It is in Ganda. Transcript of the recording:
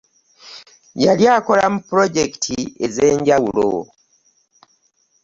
Yali akola mu pulojekiti ez'enjawulo